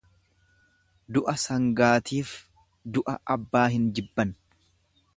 Du'a sangaatiif du'a abbaa hin jibban.